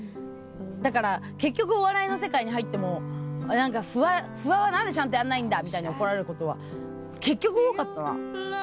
だから結局お笑いの世界に入ってもフワは何でちゃんとやんないんだみたいに怒られることは結局多かったな。